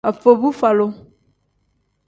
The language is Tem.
Afobuvalu.